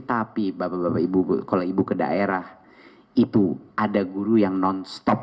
tapi bapak bapak ibu kalau ibu ke daerah itu ada guru yang non stop